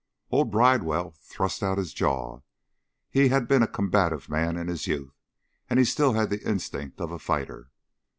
Old Bridewell thrust out his jaw. He had been a combative man in his youth; and he still had the instinct of a fighter.